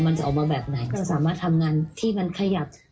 มันจะออกมาแบบไหนก็จะสามารถทำงานที่มันขยับ